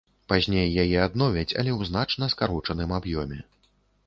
Пазней яе адновяць, але ў значна скарочаным аб'ёме.